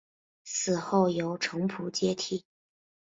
死后由程普接替。